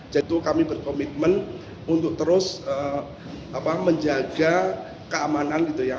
jadi itu kami berkomitmen untuk terus menjaga keamanan gitu ya